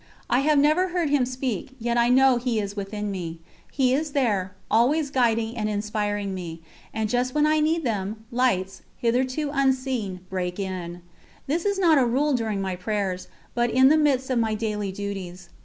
I have never heard Him speak, yet I know He is within me. He is there, always guiding and inspiring me; and just when I need them, lights, hitherto unseen, break in. This is not as a rule during my prayers, but in the midst of my daily duties.